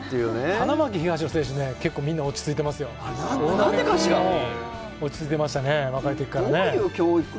花巻東の選手結構みんな落ち着いていますよ、大谷も落ち着いていましたね、若いときから。